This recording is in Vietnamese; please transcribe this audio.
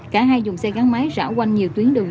cả hai dùng xe gắn máy rão quanh nhiều tuyến đường